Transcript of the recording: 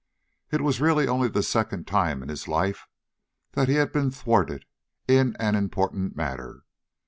It was really only the second time in his life that he had been thwarted in an important matter.